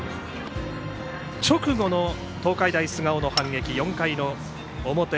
直後の東海大菅生の反撃４回の表。